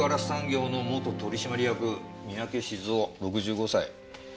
産業の元取締役三宅鎮男６５歳。